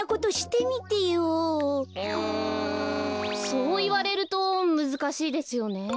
そういわれるとむずかしいですよねえ。